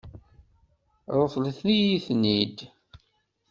Ṛeḍlet-iyi-ten-id.